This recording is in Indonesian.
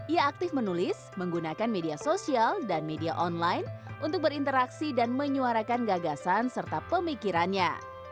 ia aktif menulis menggunakan media sosial dan media online untuk berinteraksi dan menyuarakan gagasan serta pemikirannya